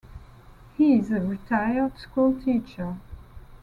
He is a retired school teacher.